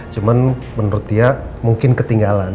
cuman menurut dia mungkin ketinggalan